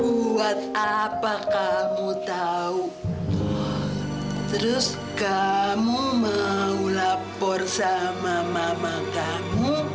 buat apa kamu tahu terus kamu mau lapor sama mama kamu